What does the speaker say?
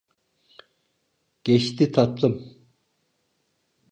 Geçti tatlım.